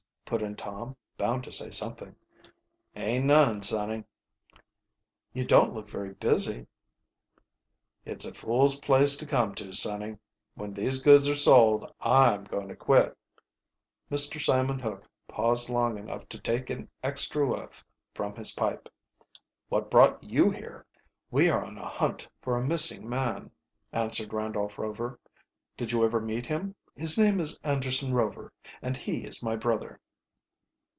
put in Tom, bound to say something. "Aint none, sonny." "You don't look very busy." "It's a fool's place to come to, sonny. When these goods are sold I'm going to quit." Mr. Simon Hook paused long enough to take an extra whiff from his pipe. "What brought you here?" "We are on a hunt for a missing man," answered Randolph Rover. "Did you ever meet him? His name is Anderson Rover, and he is my brother."